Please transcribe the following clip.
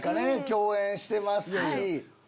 共演してますし。